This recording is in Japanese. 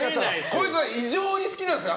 こいつは異常に好きなんですよ